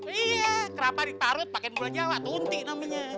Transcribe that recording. iya kerapa ditarut pake bulan jawa tuh unti namanya